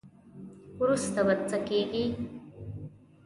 وروسته به څه کیږي.